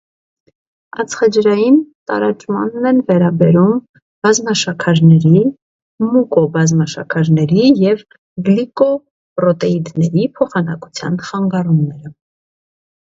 Ածխաջրային տարաճմանն են վերաբերում բազմաշաքարների, մուկոբազմաշաքարների և գլիկոպրոտեիդների փոխանակության խանգարումները։